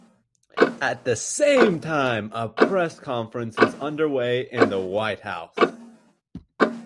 At the same time, a press conference was underway in the White House.